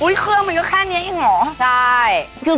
อุ้ยเครื่องมันใช่แค่นี้อีกหรือ